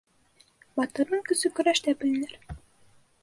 Батырҙың көсө көрәштә беленер.